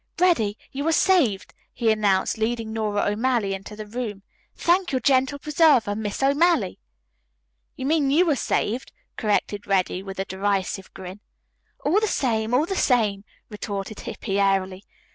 "Reddy, you are saved," he announced, leading Nora O'Malley into the room. "Thank your gentle preserver, Miss O'Malley." "You mean you are saved," corrected Reddy with a derisive grin. "All the same, all the same," retorted Hippy airily.